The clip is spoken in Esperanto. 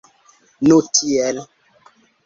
Nu tiel.